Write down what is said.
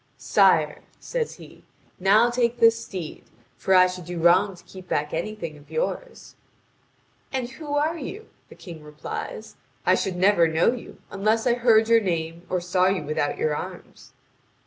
"Sire," says he, "now take this steed, for I should do wrong to keep back anything of yours." "And who are you?" the King replies; "I should never know you, unless I heard your name, or saw you without your arms."